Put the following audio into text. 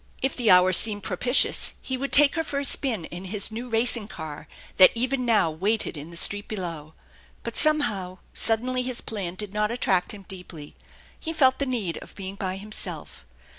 If the hour seemed propitious, he would take her for a spin in his new racing car that even now waited in the street below; but somehow suddenly his plan did not attract him deeply. He felt the need of being by himself.